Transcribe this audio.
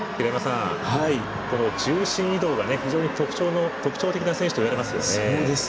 この重心移動が特徴的な選手といわれますけどね。